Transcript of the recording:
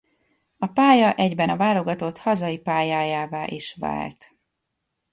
A pálya egyben a válogatott hazai pályájává is vált.